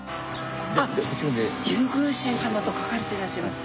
あっ竜宮神様と書かれていらっしゃいます。